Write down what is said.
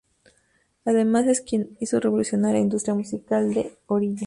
Además es quien hizo revolucionar la industria musical de Oriya.